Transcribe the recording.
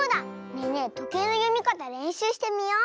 ねえねえとけいのよみかたれんしゅうしてみよう！